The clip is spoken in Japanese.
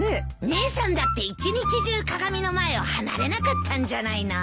姉さんだって一日中鏡の前を離れなかったんじゃないの？